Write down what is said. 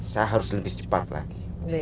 saya harus lebih cepat lagi